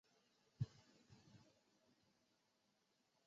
雁田抗英旧址的历史年代为清代。